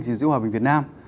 gìn giữ hòa bình việt nam